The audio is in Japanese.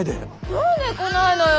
何で来ないのよ